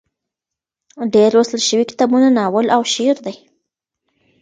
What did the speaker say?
ډېر لوستل شوي کتابونه ناول او شعر دي.